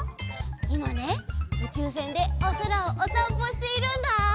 いまねうちゅうせんでおそらをおさんぽしているんだ。